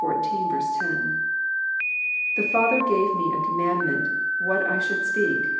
The Father gave Me a commandment what I should speak."